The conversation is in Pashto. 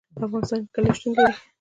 په افغانستان کې کلي شتون لري.